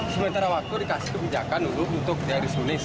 sementara waktu dikasih kebijakan dulu untuk dia disulis